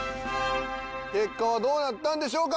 結果はどうなったんでしょうか？